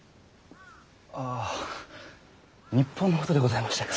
あぁ日本のことでございましたか。